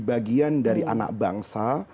bagian dari anak bangsa